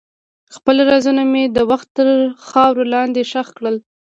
خپل رازونه مې د وخت تر خاورو لاندې ښخ کړل.